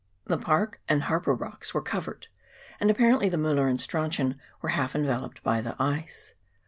The Park and Harper Rocks were covered, and appa rently the Mueller and Straucton were half enveloped by the ice.